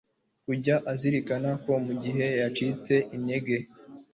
kujya azirikana ko mu gihe yacitse intege